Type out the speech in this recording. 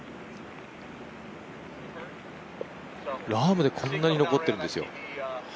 ラームでこんなに残ってるんですよ。